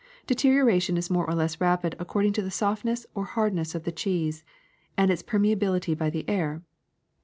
Deterioration is more or less rapid according to the softness or hard ness of the cheese and its permeability by the air.